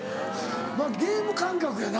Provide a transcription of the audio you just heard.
ゲーム感覚やな。